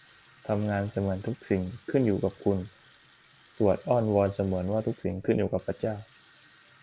ทำงานเสมือนทุกสิ่งขึ้นอยู่กับคุณ สวดอ้อนวอนเสมือนว่าทุกสิ่งขึ้นอยู่กับพระเจ้า